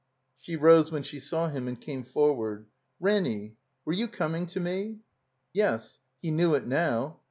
She rose when she saw him and came forward. Ranny! Were you coming to me?" Yes." (He knew it now.)